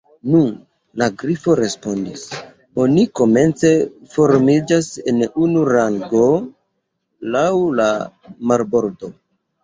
"Nu," la Grifo respondis, "oni komence formiĝas en unu rangon laŭ la marbordo."